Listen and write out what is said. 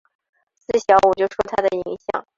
自小我就受他的影响